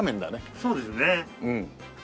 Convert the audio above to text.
そうですね。